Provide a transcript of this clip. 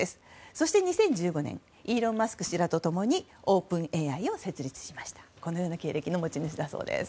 そして２０１５年イーロン・マスク氏らと共にオープンＡＩを設立したという経歴の持ち主です。